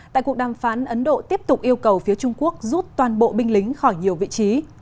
tại cuộc đàm phán ấn độ tiếp tục yêu cầu phía trung quốc rút toàn bộ binh lính khỏi nhiều vị trí